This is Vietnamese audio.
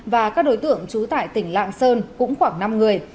và các đối tượng trú tại tỉnh lạng sơn cũng khoảng năm người